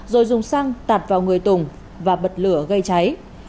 rồi dùng xăng tạt vào người tùng và bật lửa gây cháy